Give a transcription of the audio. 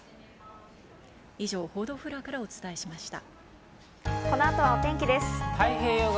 以上報道フロアからお伝えしました。